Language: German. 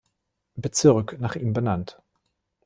Bezirk, nach ihm benannt.